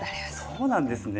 そうなんですね。